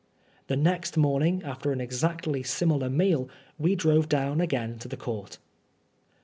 The next mom ingy after an exactly similar meal, we drove do^vim again to the court.